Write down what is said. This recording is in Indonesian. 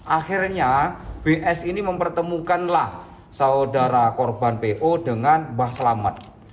akhirnya bs ini mempertemukanlah saudara korban po dengan mbah selamat